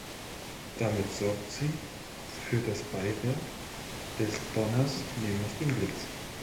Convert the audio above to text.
Damit sorgt sie für das »Beiwerk«, des Donners, nämlich den Blitz.